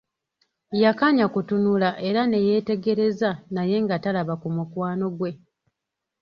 Yakanya kutunula era ne yeetegereza naye nga talaba ku mukwano gwe.